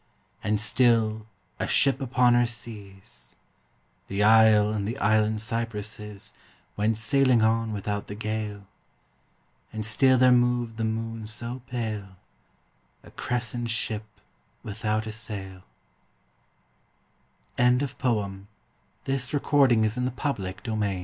And still, a ship upon her seas. The isle and the island cypresses Went sailing on without the gale : And still there moved the moon so pale, A crescent ship without a sail ' I7S Oak and Olive \ Though I was born a Londo